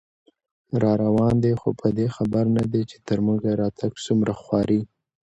راروان دی خو په دې خبر نه دی، چې تر موږه راتګ څومره خواري